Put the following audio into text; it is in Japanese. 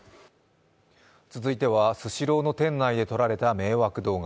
続いてはスシローの店内で撮られた迷惑動画。